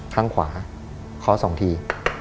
ข้างขวาเคาะ๒ที